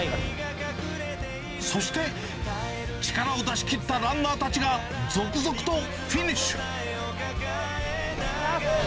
そして、力を出し切ったランナーたちが続々とフィニッシュ。